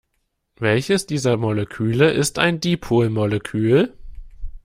Welches dieser Moleküle ist ein Dipolmolekül?